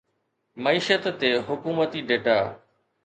معيشت تي حڪومتي ڊيٽا